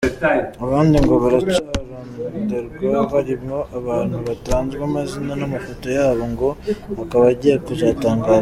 Abandi ngo baracaronderwa, barimwo abatnu batanzwe amazina, n'amafoto yabo ngo akaba agiye kuzotangazwa.